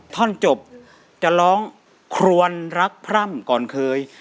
ท่อนจบจะร้องครวนรักพร่ำก่อนเคย